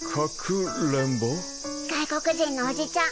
外国人のおじちゃん